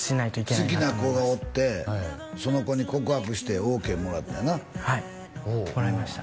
好きな子がおってその子に告白してＯＫもらったんやなはいもらいました